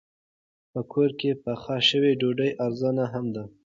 په کور کې پخه شوې ډوډۍ ارزانه هم ده.